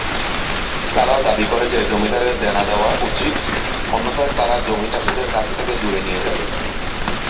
তারাও দাবি করে যে জমিদারদের দেনা দেওয়া উচিত, অন্যথায় তারা জমি চাষীদের কাছ থেকে দূরে নিয়ে যাবে।